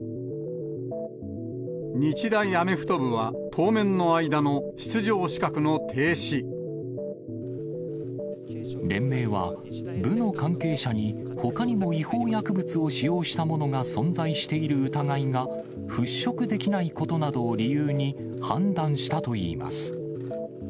日大アメフト部は当面の間の連盟は、部の関係者に、ほかにも違法薬物を使用した者が存在している疑いが払拭できないことなどを理由に判断したといいます。